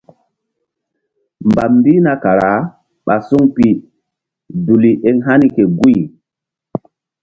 Mbam mbihna kara ɓa suŋ pi duli eŋ hani ke guy.